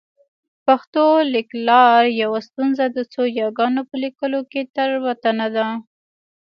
پښتو لیکلار یوه ستونزه د څو یاګانو په لیکلو کې تېروتنه ده